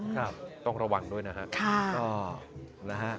ครับต้องระวังด้วยนะครับค่ะนะฮะ